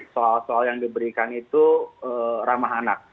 soal soal yang diberikan itu ramah anak